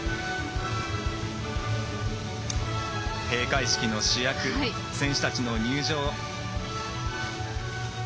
閉会式の主役選手たちの入場。